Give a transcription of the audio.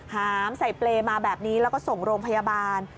หามใส่เปรย์มาแบบนี้แล้วก็ส่งโรงพยาบาล